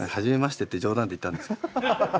「初めまして」って冗談で言ったんですよ。